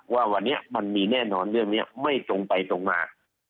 ว่าวันนี้มันมีแน่นอนเรื่องนี้ไม่ตรงไปตรงมา